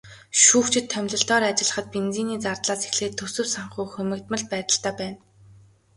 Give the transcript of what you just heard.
Шүүгчид томилолтоор ажиллахад бензиний зардлаас эхлээд төсөв санхүү хумигдмал байдалтай байна.